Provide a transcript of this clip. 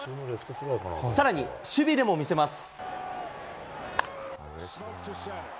さらに守備でも見せます。